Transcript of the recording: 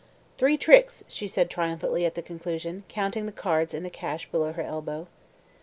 "Three tricks," she said triumphantly at the conclusion, counting the cards in the cache below her elbow.